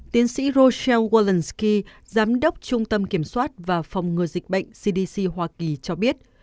tiến sĩ roseel worldsky giám đốc trung tâm kiểm soát và phòng ngừa dịch bệnh cdc hoa kỳ cho biết